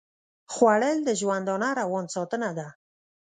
خوړل د ژوندانه روان ساتنه ده